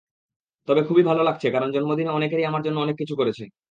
তবে খুবই ভালো লাগছে কারণ, জন্মদিনে অনেকেই আমার জন্য অনেক কিছু করেছে।